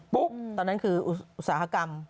ตอนนั้นคืออุตสาหกรรม